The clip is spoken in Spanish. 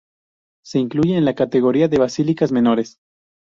Se incluye en la categoría de basílicas menores.